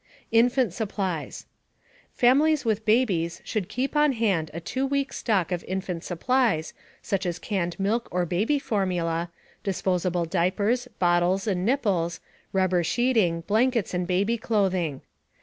INFANT SUPPLIES. Families with babies should keep on hand a two week stock of infant supplies such as canned milk or baby formula, disposable diapers, bottles and nipples, rubber sheeting, blankets and baby clothing.